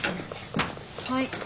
はい。